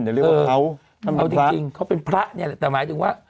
เดี๋ยวเรียกว่าเขาเออเอาจริงจริงเขาเป็นพระเนี่ยแหละแต่หมายถึงว่า